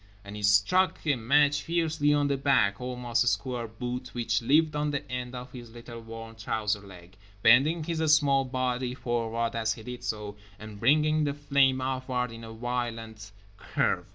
_" And he struck a match fiercely on the black, almost square boot which lived on the end of his little worn trouser leg, bending his small body forward as he did so, and bringing the flame upward in a violent curve.